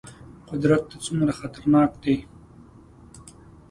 قدرت ته څومره خطرناک دي.